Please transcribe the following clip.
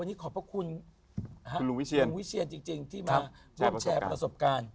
วันนี้ขอบพระคุณลุงวิเชียนจริงที่มาร่วมแชร์ประสบการณ์